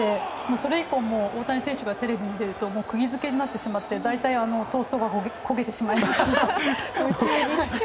それ以降大谷選手がテレビに出ると釘付けになってしまってトーストが焦げてしまいます。